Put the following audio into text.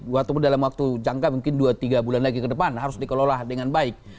walaupun dalam waktu jangka mungkin dua tiga bulan lagi ke depan harus dikelola dengan baik